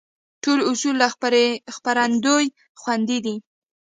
ټول اصول له خپرندوى خوندي دي.